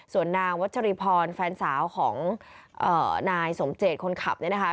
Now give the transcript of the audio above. ส่วนนางวัชรีพรแฟนสาวของนายสมเจตคนขับเนี่ยนะคะ